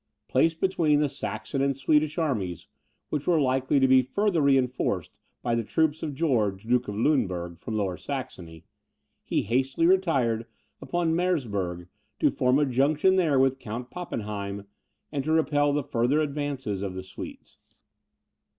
Placed between the Saxon and Swedish armies, which were likely to be farther reinforced by the troops of George, Duke of Luneburg, from Lower Saxony, he hastily retired upon Meresberg, to form a junction there with Count Pappenheim, and to repel the further advance of the Swedes.